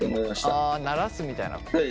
ああならすみたいなことかな。